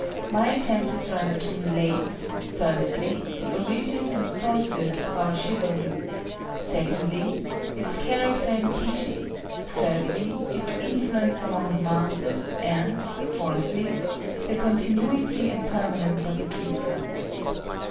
My attempt is rather to relate, firstly, the origin and sources of our chivalry; secondly, its character and teaching; thirdly, its influence among the masses; and, fourthly, the continuity and permanence of its influence.